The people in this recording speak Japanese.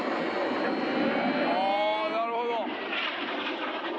あなるほど。